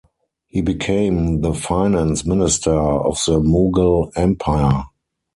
He became the Finance Minister of the Mughal empire.